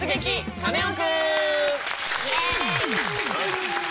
カネオくん」！